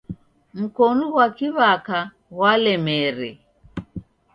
Mkonu ghwa kiw'aka ghwalemere.